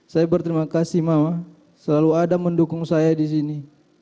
saya berterima kasih mama selalu ada mendukung saya di sini